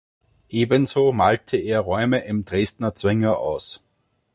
Ebenso malte er Räume im Dresdner Zwinger aus.